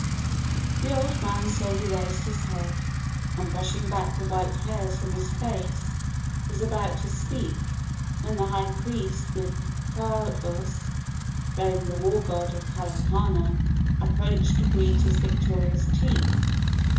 The old man slowly raised his head, and, brushing back the white hairs from his face, was about to speak, when the high priest, with kahus bearing the war god of Kalapana, approached to greet his victorious chief.